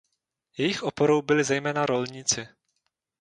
Jejich oporou byli zejména rolníci.